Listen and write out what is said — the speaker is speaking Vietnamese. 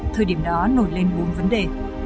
thời điểm đó nổi lên bốn vấn đề